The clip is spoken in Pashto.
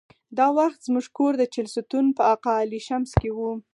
دا وخت زموږ کور د چهلستون په اقا علي شمس کې و.